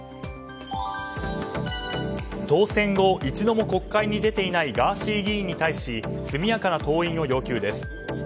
当選後一度も国会に出ていないガーシー議員に対し速やかな登院を要求です。